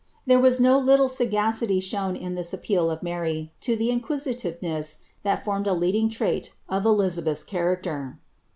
There was BO little sagacity shown in this appeal of Mary to the inquisitiveness that formed a leading trait of Elizabeth's character.